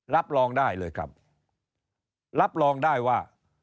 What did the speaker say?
รับรองได้เลยครับรับรองได้ว่า